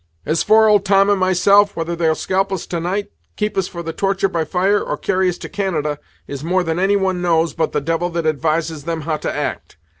As for old Tom and myself, whether they'll scalp us to night, keep us for the torture by fire, or carry us to Canada, is more than any one knows but the devil that advises them how to act.